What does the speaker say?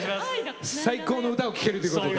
最高の歌を聴けるということで。